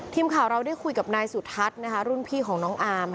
ทีมข่าวเราได้คุยกับนายสุทัศน์รุ่นพี่ของน้องอาม